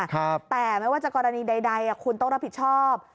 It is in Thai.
แต่ไม่ว่าจะกรณีใดคุณต้องรับผิดชอบ